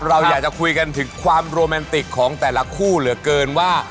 เราอยากจะคุยกันถึงความโรแมนติกของแต่ละคู่เหลือเกินว่า